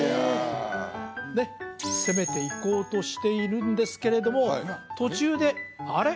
ねっ攻めていこうとしているんですけれども途中であれ？